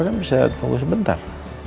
kan bisa tunggu sebentar